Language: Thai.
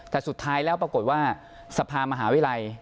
แต่สุดท้ายแล้วปรากฏว่าสภามหาวิทยาลัย